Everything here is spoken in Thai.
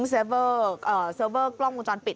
เซิร์ฟเบอร์กล้องกลุ่มจรปิด